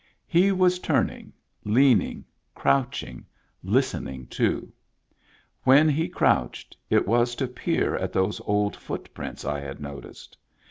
He was turning, leaning, crouching, listening too. When he crouched, it was to peer at those old foot prints I had noticed.